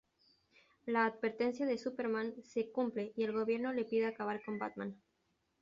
La advertencia de Superman se cumple, y el gobierno le pide acabar con Batman.